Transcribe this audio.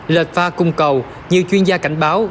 lợt pha cung cầu như chuyên gia cảnh báo